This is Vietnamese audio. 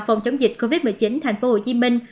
phòng chống dịch covid một mươi chín thành phố hồ chí minh